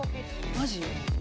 マジ？